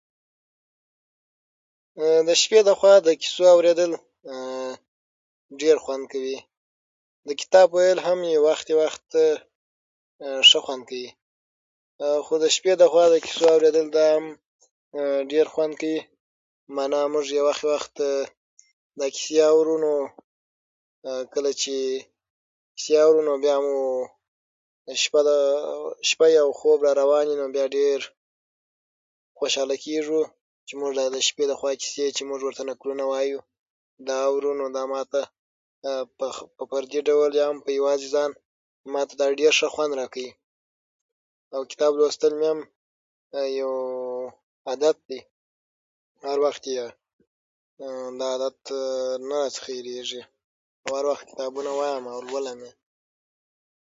د شپې له خوا د کیسو اورېدل ډېر خوند کوي. د کتاب ویل هم یو وخت، یو وخت ښه خوند کوي، خو د شپې لخوا د کیسو اورېدل دا هم ډېر خوند کوي. یعنې موږ یو وخت، یو وخت دا کیسې اورو. نو کله چې کیسې اورو، نو بیا مو شپه د شپې وي، خوب راروان وي، بیا نو ډېر خوشاله کېږو چې موږ د شپې لخوا کیسې، چې موږ ورته نکلونه وایو، دا اورو. نو دا ماته په خپل فردي ډول، په یوازې ځان هم، ماته دا ډېر ښه خوند راکوي. او کتاب لوستل هم یو عادت دی. هر وخت یې دا عادت نه راڅخه هېرېږي. هر وخت کتابونه وایمه، لولم یې.